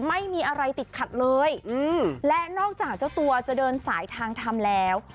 ไม่มีอะไรติดขัดเลยและนอกจากเจ้าตัวจะเดินสายทางทำแล้ว